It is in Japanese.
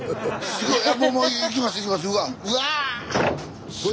すごい。